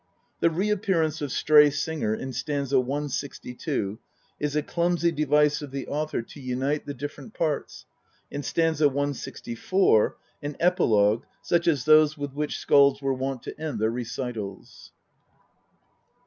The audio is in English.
The reappearance of Stray Singer in st. 162 is a clumsy device of the author to unite th.e different parts, and st. 164 an epilogue such as those with which skalds were wont to end their recitals.